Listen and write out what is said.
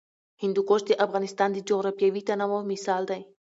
هندوکش د افغانستان د جغرافیوي تنوع مثال دی.